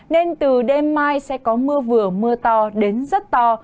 nên từ đêm mai sẽ có mưa vừa mưa to đến rất to